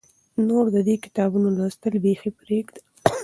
نور د دې کتابونو لوستل بیخي پرېږده.